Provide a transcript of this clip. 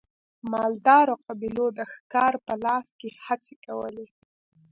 مالدارو قبیلو د ښکار په لاره کې هڅې کولې.